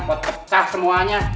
pot pecah semuanya